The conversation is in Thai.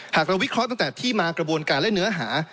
หากเราวิเคราะห์ตั้งแต่ที่มากระบวนการและเนื้อหา